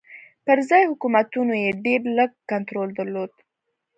پر ځايي حکومتونو یې ډېر لږ کنټرول درلود.